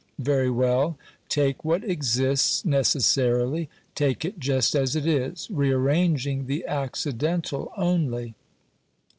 Very well ; take what exists necessarily ; take it just as it is, rearranging the accidental only.